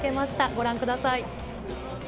ご覧ください。